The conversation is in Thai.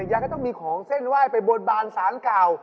ยายก็ต้องมีของเส้นไหว้ไปบนบานสารเก่า